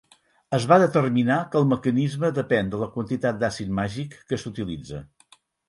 Es va determinar que el mecanisme depèn de la quantitat d'àcid màgic que s'utilitza.